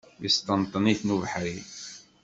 Yesṭenṭen-iten ubeḥri.